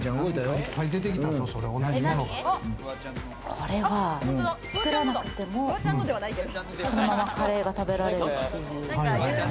これは、作らなくてもそのままカレーが食べられるっていう。